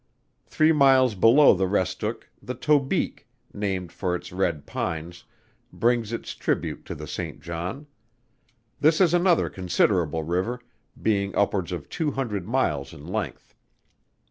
Three miles below the Restook, the Tobique, named for its red pines, brings its tribute to the St. John. This is another considerable river, being upwards of two hundred miles in length.